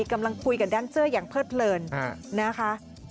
กำลังคุยกับแดนเซอร์อย่างเพิดเลินนะคะ